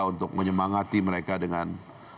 untuk menyemangati mereka dengan